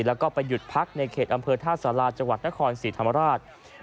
แล้วก็ไปหยุดพักในเขตอำเภอท่าสาราจังหวัดนครศรีธรรมราช